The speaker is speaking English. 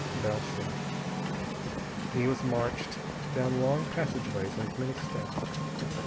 Bell shrugged. He was marched down long passageways and many steps.